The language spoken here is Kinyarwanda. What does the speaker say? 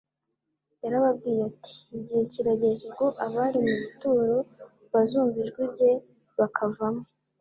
Yarababwiye ati: " Igihe kirageze ubwo abari mu bituro bazumva ijwi rye bakavamo,